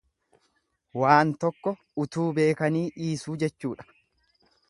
Waan tokko utuu beekanii dhiisuu jechuudha.